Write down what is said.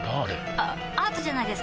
あアートじゃないですか？